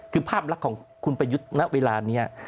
คือภาพลักษณ์ของคุณประยุทธ์ณเวลานี้